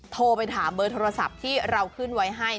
โทรไปถามเบอร์โทรศัพท์ที่เราขึ้นไว้ให้